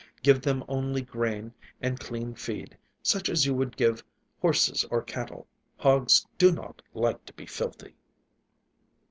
Give them only grain and clean feed, such as you would give horses or cattle. Hogs do not like to be filthy."